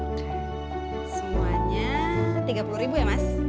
oke semuanya rp tiga puluh ya mas